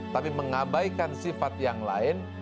tapi mengabaikan sifat yang lain